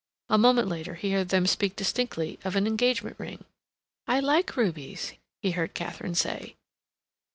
A moment later he heard them speak distinctly of an engagement ring. "I like rubies," he heard Katharine say.